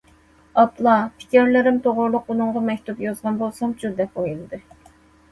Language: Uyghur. « ئاپلا... پىكىرلىرىم توغرۇلۇق ئۇنىڭغا مەكتۇپ يازغان بولسامچۇ!» دەپ ئويلىدى.